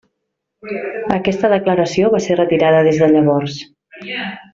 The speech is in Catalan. Aquesta declaració va ser retirada des de llavors.